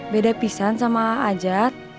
beda pisan sama aja